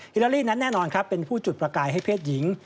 ลาลีนั้นแน่นอนครับเป็นผู้จุดประกายให้เพศหญิง